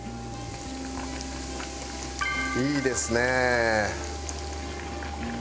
いいですね！